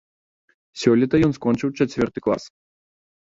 Сёлета ён скончыў чацвёрты клас.